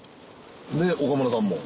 で岡村さんも？